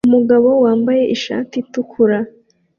Umugabo wambaye ishati itukura